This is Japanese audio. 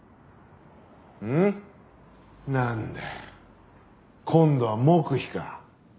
なんだよ今度は黙秘か。